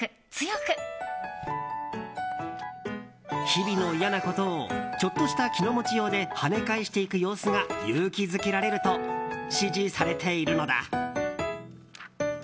日々の嫌なことをちょっとした気の持ちようで跳ね返していく様子が勇気づけられると支持されているのだ。